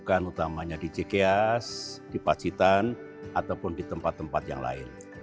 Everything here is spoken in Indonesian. bukan utamanya di cks di pacitan ataupun di tempat tempat yang lain